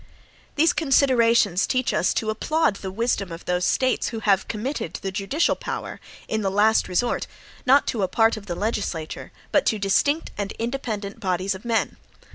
These considerations teach us to applaud the wisdom of those States who have committed the judicial power, in the last resort, not to a part of the legislature, but to distinct and independent bodies of men.